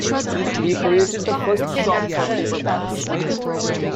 He created the first shop for paperbacks.